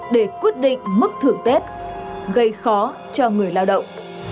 để quyết định mức thưởng tết gây khó cho người lao động